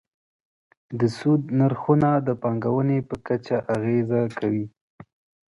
د سود نرخونه د پانګونې په کچه اغېزه کوي.